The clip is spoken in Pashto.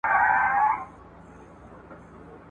کوڅه دي خپله، نظافت په کار دئ